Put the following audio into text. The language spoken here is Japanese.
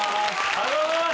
ありがとうございます！